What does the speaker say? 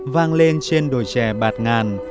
vang lên trên đồi chè bạt ngàn